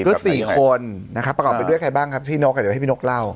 ก็๔คนนะครับประกอบไปด้วยใครบ้างครับพี่นกเดี๋ยวให้พี่นกเล่า